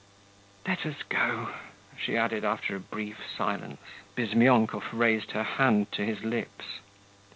Let us go,' she added, after a brief silence. Bizmyonkov raised her hand to his lips.